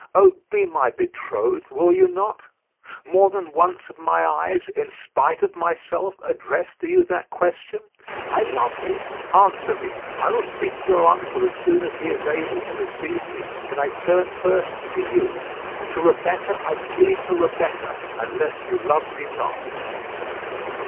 Oh, be my betrothed; will you not? More than once have my eyes, in spite of myself, addressed to you that question. I love you; answer me. I will speak to your uncle as soon as he is able to receive me; but I turn first to you. To Rebecca I plead for Rebecca; unless you love me not."